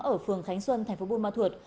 ở phường khánh xuân tp buôn ma thuột